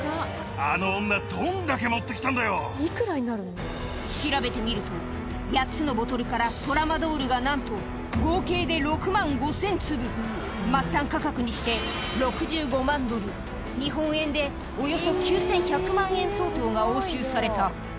あの女、調べてみると、８つのボトルからトラマドールがなんと合計で６万５０００粒、末端価格にして６５万ドル、日本円でおよそ９１００万円相当が押収された。